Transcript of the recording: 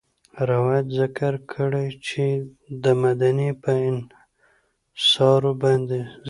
روايت ذکر کړی چې د مديني په انصارو باندي